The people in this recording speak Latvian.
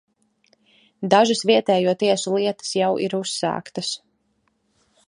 Dažas vietējo tiesu lietas jau ir uzsāktas.